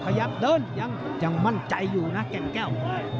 ขยับเดินยังยังมั่นใจอยู่นะแก้ว